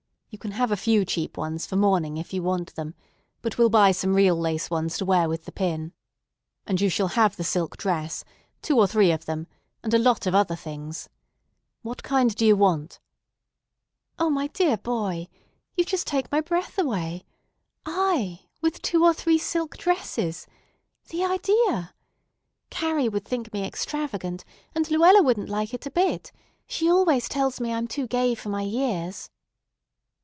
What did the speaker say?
You can have a few cheap ones for morning if you want them, but we'll buy some real lace ones to wear with the pin. And you shall have the silk dress, two or three of them, and a lot of other things. What kind do you want?" "O my dear boy! You just take my breath away. I with two or three silk dresses! The idea! Carrie would think me extravagant, and Luella wouldn't like it a bit. She always tells me I'm too gay for my years."